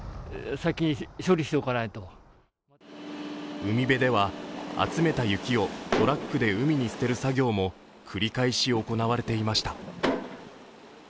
海辺では集めた雪をトラックで海に捨てる作業も繰り返し行われていました。